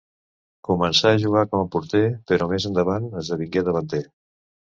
Començà a jugar com a porter, però més endavant esdevingué davanter.